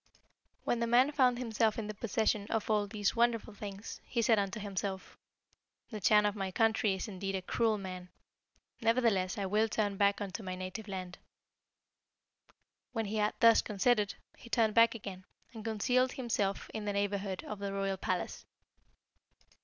"When the man found himself in the possession of all these wonderful things, he said unto himself, 'The Chan of my country is indeed a cruel man; nevertheless I will turn back unto my native land.' When he had thus considered, he turned back again, and concealed himself in the neighbourhood of the royal palace.